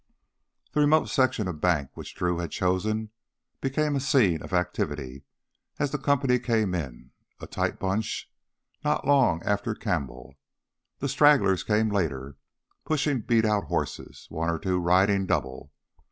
The remote section of bank which Drew had chosen became a scene of activity as the company came in a tight bunch not long after Campbell. The stragglers came later, pushing beat out horses, one or two riding double.